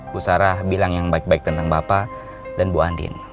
bu sarah bilang yang baik baik tentang bapak dan bu andin